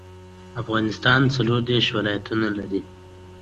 Choking can be treated by sucking out the object stuck in the airway.